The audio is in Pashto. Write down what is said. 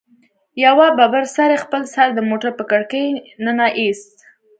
يوه ببر سري خپل سر د موټر په کړکۍ ننه ايست.